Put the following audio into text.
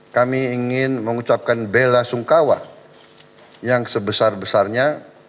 kami ingin mengucapkan bela sungkawa yang sebesar besarnya